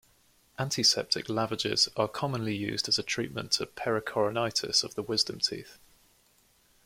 Antiseptic lavages are commonly used as a treatment to pericoronitis of wisdom teeth.